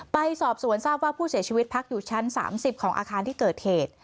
ไปสอบสวนทราบว่าผู้เสียชีวิตพักอยู่ชั้น๓๐ของอาคารที่เกิดเหตุ